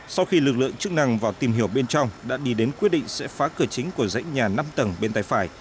sau khi lực lượng chức năng vào tìm hiểu bên trong đã đi đến quyết định sẽ phá cửa chính của dãy nhà năm tầng bên tay phải